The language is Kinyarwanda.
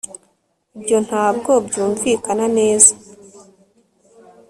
Ibyo ntabwo byumvikana neza